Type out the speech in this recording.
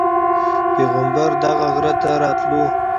پیغمبر دغه غره ته راتللو.